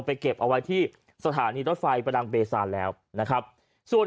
เก็บเอาไว้ที่สถานีรถไฟประดังเบซาแล้วนะครับส่วน